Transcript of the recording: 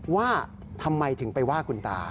ว่าทำไมถึงไปว่าคุณตา